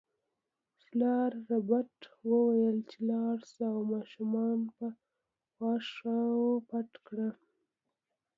پلار ربیټ وویل چې لاړه شه او ماشومان په واښو پټ کړه